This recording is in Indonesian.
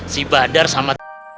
si badar sama